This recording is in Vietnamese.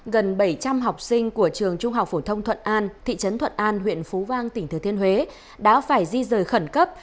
gần bảy trăm linh học sinh của trường trung học phổ thông thuận an thị trấn thuận an huyện phú vang tỉnh thừa thiên huế đã phải di rời khẩn cấp